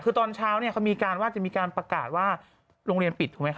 คือตอนเช้าเนี่ยเขามีการว่าจะมีการประกาศว่าโรงเรียนปิดถูกไหมค